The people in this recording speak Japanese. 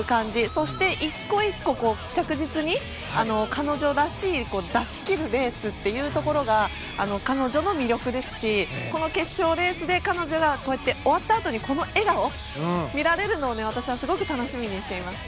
そして、１個１個着実に彼女らしい出し切るレースというところが彼女の魅力ですしこの決勝レースで、彼女の終わったあとのこの笑顔、見られるのを私はすごく楽しみにしています。